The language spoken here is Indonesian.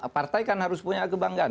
partai kan harus punya kebanggaan